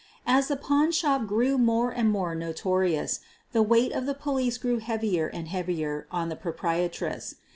As the pawn shop grew more and more notorious, the weight of the police grew heavier and heavier on the proprietress.